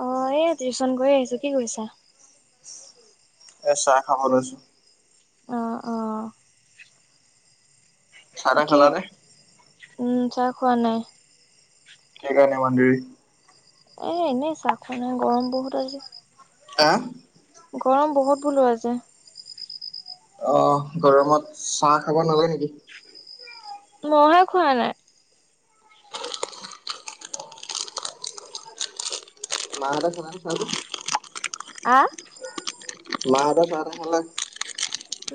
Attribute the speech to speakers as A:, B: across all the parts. A: অ এই টিউচন কৰি আহিছো কি কৰিছা?
B: এ চাহ খাব লৈছো।
A: অ', অ',
B: চাহ তা
A: কি
B: খালা নে?
A: উম, চাহ খোৱা নাই।
B: কিকাৰণে ইমান দেৰি?
A: এ এনেই চাহ খুৱা নাই গৰম বহুত আজি।
B: আ,
A: গৰম বহুত বুলু আজি।
B: অ' গৰমত চাহ খাব নালে নেকি?
A: মইহে খোৱা নাই।
B: [unintelligible]
A: আ,
B: মাহতে চাহতা খালে?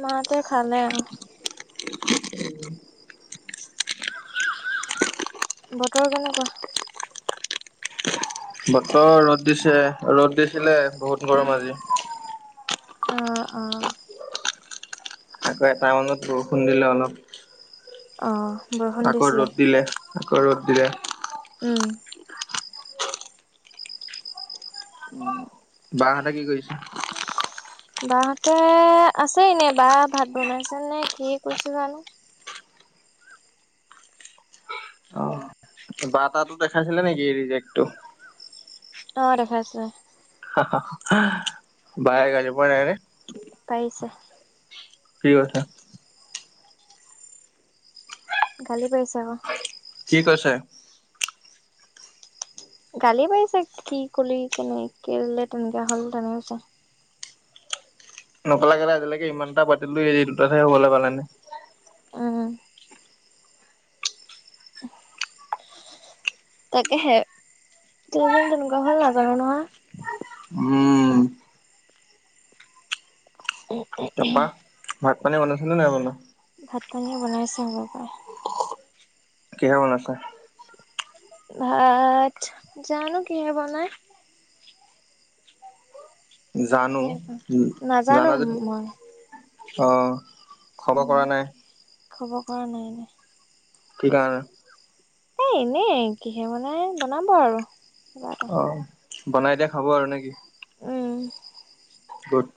A: মাতে খালে অ', বতৰ কেনেকোৱা?
B: বতৰ ৰ'দ দিছে ৰ'দ দিছিলে বহুত গৰম আজি।
A: অ', অ',
B: আকৌ এটা মানত বৰষুণ দিলে অলপ।
A: অ', বৰষুণ
B: আকৌ
A: দিছিলে
B: ৰ'দ দিলে আকৌ ৰ'দ দিলে।
A: উম, উম
B: বা হ'তে কি কৰিছে?
A: বা হ'তে আছেই এনে বা ভাত বনাইছে নে কি কৰিছে জানো।
B: অ' বা তাতো দেখাইছিলে নেকি ৰিজেক্টো
A: অ, দেখাইছে।
B: বায়ে গালি পৰা নাই নে?
A: পাৰিছে
B: কি কথা?
A: গালি পাৰিছে আকৌ।
B: কি কৈছে?
A: গালি পাৰিছে কি কলি কেনেকে বুলে তেনেকা হ'ল তেনেকৈছে
B: নকলা কেলে আজিলৈকে ইমানটা পাতিলো এই দুটাত হে হ'বলৈ পালে নে?
A: উম। তাকে হে [unintelligible] তেনেকুৱা হ'ল নাজানো নহয়।
B: উম। তাৰপা
A: [inaudible]
B: ভাত পানী বনাইছিলে নাই বনোৱা?
A: ভাত-পানী বনাইছে আমাৰ পায়
B: কিহেৰে বনাইছে?
A: ভাত, জানো কিহে বনাই?
B: জানো,
A: কিহে বনাই নাজানো
B: জানা যদি
A: মই
B: অ', খবৰ
A: উম।
B: কৰা নাই?
A: খবৰ কৰা নাই।
B: কি কাৰণে?
A: এই, এনেই কিহে বনাই, বনাব আৰু কিবা এটা।
B: অ বনাই দিয়া খাব আৰু নেকি?
A: উম।
B: গুদ।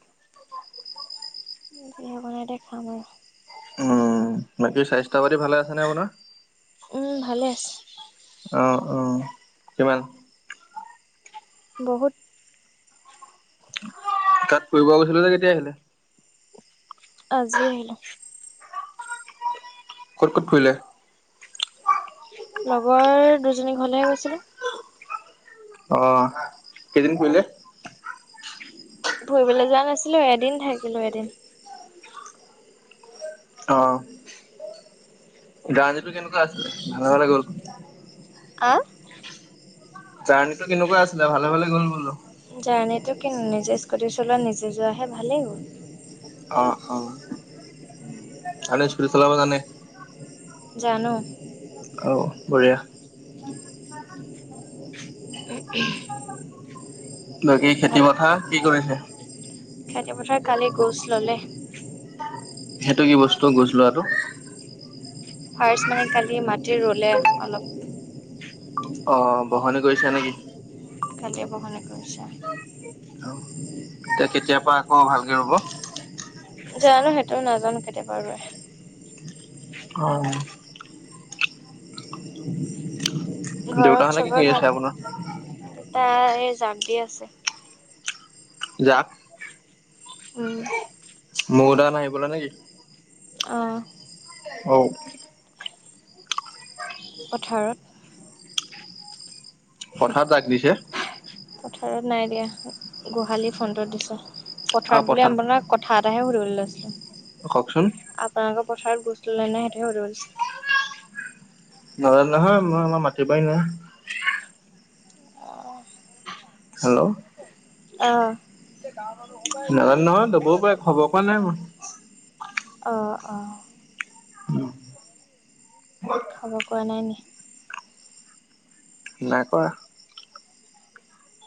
A: যিহে বনাই দিয়ে খাম আৰু।
B: উম বাকী স্বাস্থ্য -পাতি ভালে আছেনে, আপোনাৰ?
A: উম ভালে আছে।
B: অ', অ', কিমান?
A: বহুত।
B: তাত ফুৰিব গৈছিলে যে কেতিয়া আহিলে?
A: আজি আহিলোঁ।
B: ক'ত ক'ত ফুৰিলে?
A: লগৰ দুজনীৰ ঘৰলেহে গৈছিলোঁ।
B: অ', কেইদিন ফুৰিলে?
A: ফুৰিবলৈ যোৱা নাছিলোঁ, এদিন থাকিলোঁ এদিন।
B: গান্জীটো কেনেকুৱা আছিলে, ভালে ভালে গ'ল?
A: আ?
B: জাৰ্ণিটো কেনেকুৱা আছিলে, ভালে ভালে গ'ল বোলো?
A: জাৰ্ণীটো কিনো, নিজে স্কুটি চলোৱা নিজে যোৱাহে ভালেই হ'ল।
B: অ', অ'। আপুনি স্কুটি চলাব জানে?
A: জানোঁ।
B: অ' বঢ়িয়া।
A: [inaudible]
B: বাকী খেতি পথাৰ, কি কৰিছে?
A: খেতিপথাৰত কালি গোছ ল'লে।
B: সেইটো কি বস্তু, গুজ লোৱাটো
A: ফাৰ্ষট মানে কালি মাটি ৰুলে, অলপ।
B: অ', বহনি কৰিছা নে কি?
A: কালিয়পা বহনি কৰিছে।
B: অ', এতিয়া কেতিয়াৰ পৰা আকৌ ভালকে ৰুব?
A: জানোঁ, সেইটোও নাজানো কেতিয়া পা ৰুৱে।
B: অ'।
A: ঘৰত
B: দেউতাহঁতে কি
A: চবৰে
B: কৰি আছে
A: ভাল,
B: আপোনাৰ?
A: দেতা এই জাক দি আছে।
B: যাক
A: উম।
B: মহ-দাহ নাহিবলৈ নে কি?
A: অ'।
B: ঔ।
A: পথাৰত।
B: পথাৰত জাক দিছে?
A: পথাৰত নাই দিয়া, গোহালিৰ ফ্ৰণ্টত দিছে। পথাৰত বুলি আপোনাক কথা এটাহে সুধিব লৈছিলো,
B: কওকচোন।
A: আপোনালোকৰ পথাৰত গ ে হলিছ [unintelligible]
B: নাজানো নহয় মই আমাৰ মাতিবাই নহ হেল্ল',
A: অ',
B: নাজানো নহয় দবও পাৰে খবৰ পৰাৱা নাই মই
A: অ', অ',
B: উম।
A: খাব পৰা নাই নি
B: নাই কৰা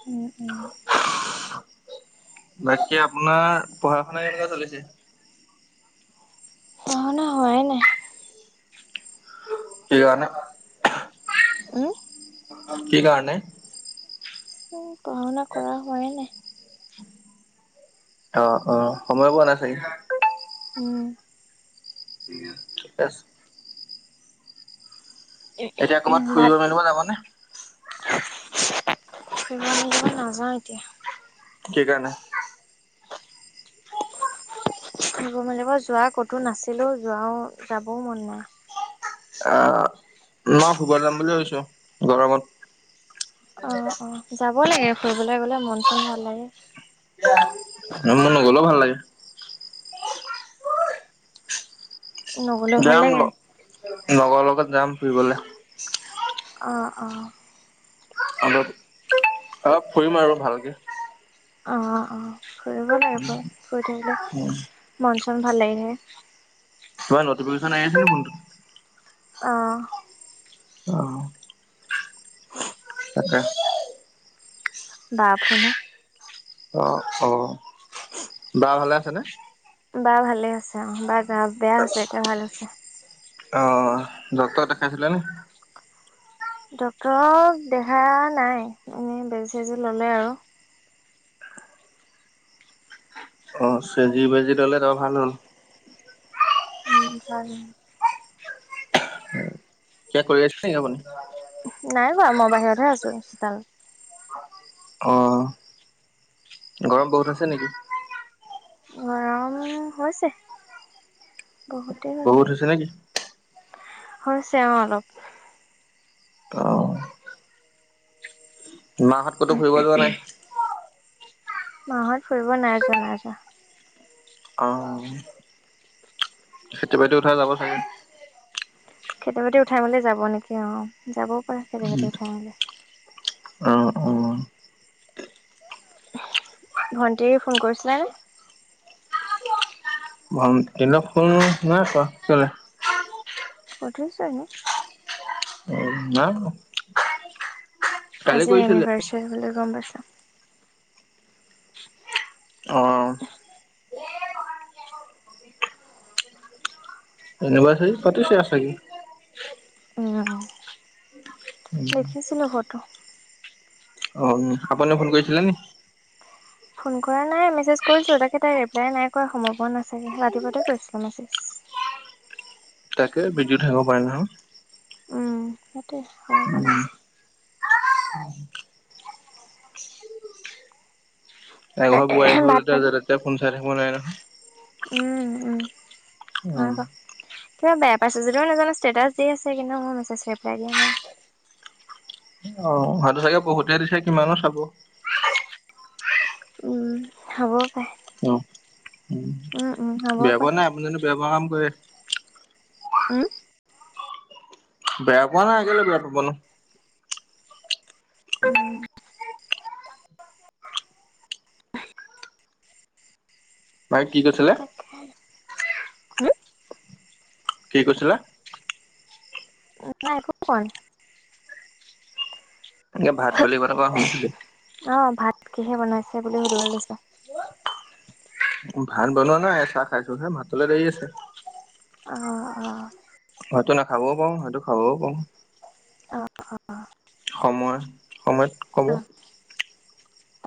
A: উ [unintelligible]
B: বাকী আপোনাৰ পঢ়া শুনা কেনেকুৱা চলিছে
A: পঢ়া শুনা হোৱাই নাই
B: কি কাৰণে
A: আহ
B: কি, কাৰণে
A: পঢ়া শুনা কৰা হয়নে
B: অ', অ', সময় পোৱা নাই চাগে
A: উম।
B: ঠিকে আছে এতিয়া ক'ৰবাত ফুৰিব
A: ভাত
B: মেলিব যাবনে
A: ফুৰিব লাগিবই নাযাওঁ এতিয়া
B: কি কাৰনে
A: মেলিব যোৱা ক'তো নাছিলো যোৱাও যাবও মন নাই
B: আহ, ন শুব যাম বুলি ভাবিছো গৰমত
A: অ', অ', যাব লাগে ফুৰিবলে গলে মন চন ভাল লাগে
B: ন ম নক [unintelligible] [unintelligible]
A: নগ'লেও ভাল
B: যাম
A: লাগে
B: লগ লগৰ লগত যাম ফুৰিবলে
A: আহ, অ',
B: অ', অলপ ফুৰিম আৰু ভালকে
A: অ', অ', ফুৰিব লাৰ ফু থাকিলে
B: কিবা
A: ম ভাল লাগিলে
B: নটিফিকেচনন আহ আ ফোনটো
A: আহ,
B: আহ, তাকে
A: ব ফুন [unintelligible]
B: অ', অ', বা ভালে আছেনে?
A: বা ভালে আছে অ', বাৰ বা গা বেয়া হৈছে এতিয়া ভাল হৈছে
B: অ', ডক্টৰক দেখাইছিলা নে?
A: ডক্তৰক দেখা নাই এনেই বেজি চেজি ললে আৰু
B: অ', চেজি বেজি ললে ত ভাল হ'ল [inaudible]
A: কাৰ [unintelligible]
B: কিবা কৰি আছে নেকি আপুনি?
A: নাই বাৰু মই বাহিৰতহে আছো চোতালত
B: আহ, গৰম বহুত আছে নেকি
A: গৰম হৈছে বহুতেই
B: বহুত
A: গছে
B: হৈছে নেকি
A: হৈছে অ অলপ
B: অ', মা হত ক'তো ফুৰিব যোৱা নাই
A: মা হত ফুৰিব নাই যোৱা নাই যোৱা
B: অহ খেতি বাতি উঠাই যাব চাগে
A: খেতি বাতি উঠাই মেলি যাব নিকি অ যাবও পাৰে খেতি বাতি উঠাই মেলি
B: অ', অ
A: ভন্টিৰ ফোন কৰিছিলে নে
B: ভণ্টিয়ে ফোন নাই কৰা কেলে
A: সুধিছো এনেই
B: উম নাই কালি
A: আজি
B: কৰিছিলে।
A: এনিভা চেৰি বুলি গম পাইছো
B: অ এনিৰ্ভাচেৰি পাতিছে ছাগে
A: উম দেখিছিলো ফটো
B: অ আপোনালে ফোন কৰিছিলে নি
A: ফোন কৰা নাই মেছেজ কৰিছো তাকে তাই ৰিপ্লাই নাই কৰা সময় পোৱা নাছিল ৰাতি পুৱাতে কৰিছিলো মেছেজ [unintelligible]
B: তাকে বিজি থাকিব পাৰে নহয়
A: হে সময় পোৱা নাই
B: উম।
A: চাগে
B: এঘৰ বোৱাৰী
A: নাছিল
B: হ'ল
A: ভাত
B: এতিয়া
A: পানী
B: যেতিয়াই তেতিয়াই ফোন চাই থাকিব নোৱাৰে নহয়
A: উম উম হয়
B: উম
A: বাৰু কিবা বেয়া পাইছে যদিও নাজানো ষ্টেটাছ দি আছে কিন্তু মোৰ মেছেজ ৰিপ্লাই দিয়া নাই
B: আহ সটো চাগে বহুতে দিছে কিমানো চাব
A: হম হ'ব
B: অ উম
A: উম হ'বও
B: বেয়া পোৱা
A: পাৰে
B: নাই আপুনি জানো বেয়া পোৱা কাম কৰে
A: উম
B: বেয়া পোৱা নাই কেলেই বেয়া পাব নো
A: উম
B: তাইক কি কৈছিলে
A: তাকে
B: কি কৈছিলে
A: নাই একো কোৱা নাই
B: এনেকে ভাত বুলি কথা কোৱা শুনিছিলো
A: অ ভাত কিহে বনাইছে বুলি সুধিবলৈ দিছে
B: ভাত বনোৱা নাই চাহ খাইছো হে ভাতলে দেৰি আছে
A: অ অ
B: হয়তো নাখাবও পাওঁ হয়তো খাবও পাওঁ
A: অ অ
B: সময় সময়ত কব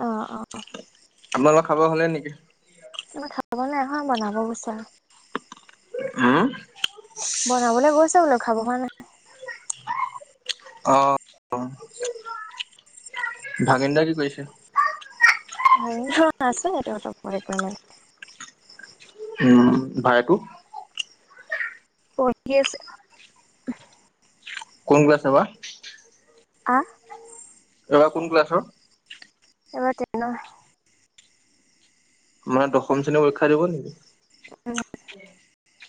A: অহ অ
B: আপোনালোকৰ খাব হ'লে নিকি
A: আমা খাব নাই হোৱা বনাব গৈছে
B: হা
A: বনাবলে গৈছে বোলে খাব হোৱা নাই
B: অ ভাগেনদা কি কৰিছে
A: আছে সেইটো [unintelligible] নাই
B: উম বাইটো
A: পঢ়ি আছে
B: কোন কলাছে বা
A: অহ ',
B: কোন ক্লাছৰ?
A: এবাৰ তেনট
B: মানে দশম শ্ৰেণী পৰীক্ষা দিব নেকি?
A: অ',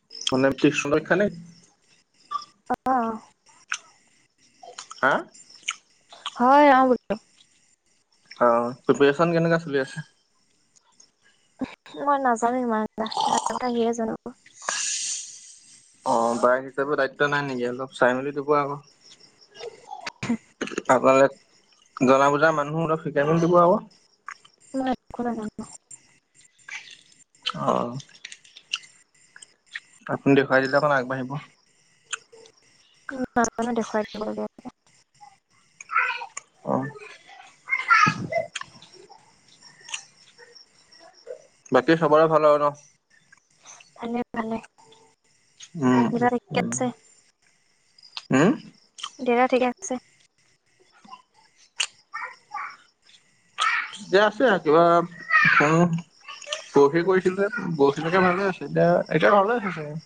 B: [unintelligible]
A: অহ',
B: হা
A: হয় অ, বলো।
B: অ, প্ৰিপ্যন কেনেকে চলি আছে।
A: মই নাজানো ইমান তাহ কথা হিয়ে জানো।
B: অ, বাইক হিচাপে দায়িত্ব নাই নেকি অলপ চাই মেলি দব আকৈ
A: [unintelligible]
B: আপোনালে জনা বুজাৰ মানুহো অলপ শিকাই মেল দিব আকৌ।
A: [unintelligible]
B: অহ', আপুনি দেখুৱাই দিলে অকমান আগবাঢ়িব।
A: নো দেখুৱাই দিবগীয়া [unintelligible]
B: অ
A: [unintelligible]
B: বাকী সবৰে ভাল আৰু ন। উম উম
A: [unintelligible]
B: উম,
A: দেয়া ঠিক আছে।
B: দিয়া আছে কিবা অ, বৰহি কৰিছিলে বৰশিলকে ভালে আছে এতিয়া এতিয়া ভালে আছে চাগে।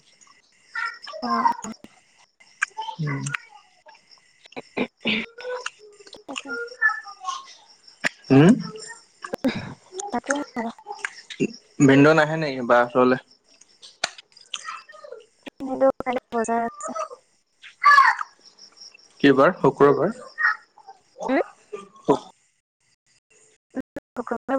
A: অ- অ।
B: উম,
A: [unintelligible]
B: উম,
A: তাকো
B: ভিণ্ড নানে বা ওচৰলে
A: সটো কাল বজাৰ জাম।
B: কিবাৰ শুক্ৰবাৰ।
A: [unintelligible]